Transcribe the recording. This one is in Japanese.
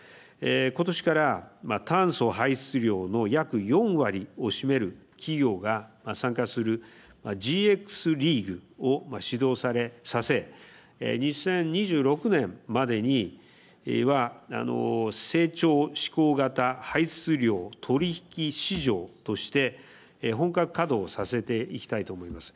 ことしから炭素排出量の約４割を占める企業が参加するＧＸリーグを始動させ２０２６年までには成長志向型排出量取引市場として本格稼働させていきたいと思います。